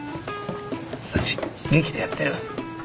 サチ元気でやってる？